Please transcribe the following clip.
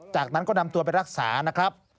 จากนั้นก็นำตัวไปรักษานะครับ